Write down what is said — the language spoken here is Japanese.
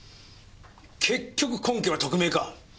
結局根拠は特命か。